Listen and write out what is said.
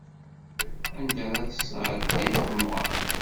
Anda ara tesɛeddiḍ temɣeṛ?